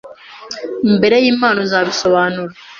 imbere y’Imana uzabisobanura